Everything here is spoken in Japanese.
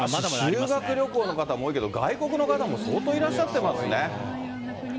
しかし、修学旅行の方も多いけど、外国の方も相当いらっしゃってますね。